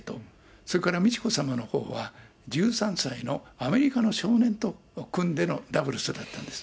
それから美智子さまのほうは１３歳のアメリカの少年と組んでのダブルスだったんです。